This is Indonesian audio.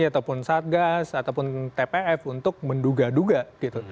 ataupun satgas ataupun tpf untuk menduga duga gitu